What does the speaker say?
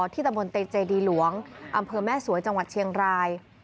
ตะบนเตเจดีหลวงอำเภอแม่สวยจังหวัดเชียงราย